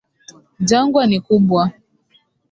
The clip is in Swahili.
Jangwa ni kubwa.